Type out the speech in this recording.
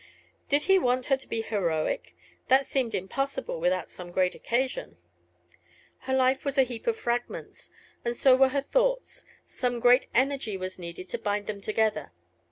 Did he want her to be heroic? That seemed impossible without some great occasion. Her life was a heap of fragments, and so were her thoughts: some great energy was needed to bind them together.